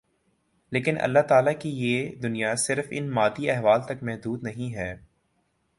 لیکن اللہ تعالیٰ کی یہ دنیا صرف ان مادی احوال تک محدود نہیں ہے